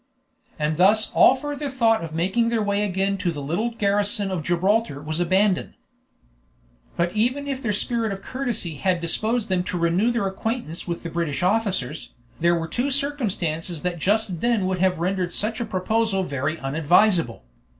And thus all further thought of making their way again to the little garrison of Gibraltar was abandoned. But even if their spirit of courtesy had disposed them to renew their acquaintance with the British officers, there were two circumstances that just then would have rendered such a proposal very unadvisable.